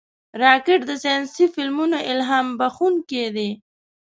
راکټ د ساینسي فلمونو الهام بښونکی دی